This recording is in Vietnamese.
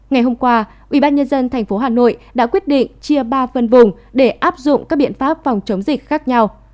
ngày hôm qua ubnd tp hà nội đã quyết định chia ba phân vùng để áp dụng các biện pháp phòng chống dịch khác nhau